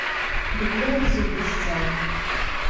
Дык я і зубы сцяў.